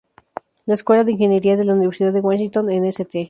La escuela de ingeniería de la Universidad de Washington en St.